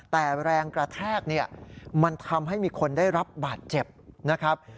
แต่แรงกระแทกเนี่ยมันทำให้มีคนได้รับบาดเจ็บนะครับ